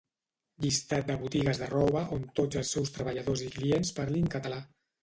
Llistat de botigues de roba on tots els seus treballadors i clients parlin català